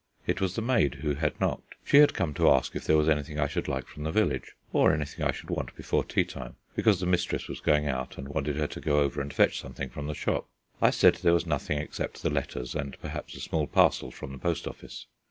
It was the maid who had knocked. She had come to ask if there was anything I should like from the village, or anything I should want before tea time, because the mistress was going out, and wanted her to go over and fetch something from the shop. I said there was nothing except the letters and perhaps a small parcel from the post office.